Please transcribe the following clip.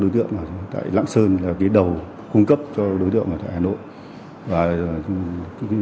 đối tượng tại lãng sơn là cái đầu cung cấp cho đối tượng ở hà nội